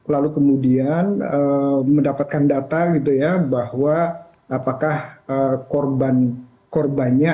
lalu kemudian mendapatkan data bahwa apakah korbannya